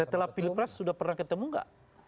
setelah pilpres sudah pernah ketemu nggak